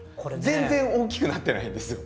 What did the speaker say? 全然大きくなってないんですよ。